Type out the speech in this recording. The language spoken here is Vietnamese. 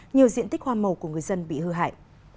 nhiều diện tích hoa màu của người dân bị hư hại